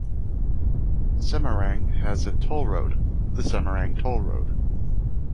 Semarang has a toll road, the Semarang Toll Road.